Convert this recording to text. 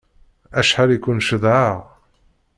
Acḥal i ken-cedhaɣ!